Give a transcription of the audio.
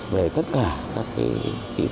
về tất cả các kỹ thuật